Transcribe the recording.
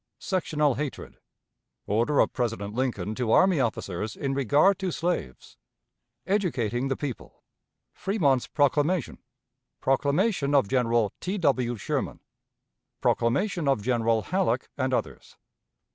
Sectional Hatred. Order of President Lincoln to Army Officers in Regard to Slaves. "Educating the People." Fremont's Proclamation. Proclamation of General T. W. Sherman. Proclamation of General Halleck and others.